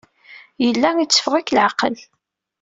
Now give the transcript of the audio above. Yella itteffeɣ-ik leɛqel.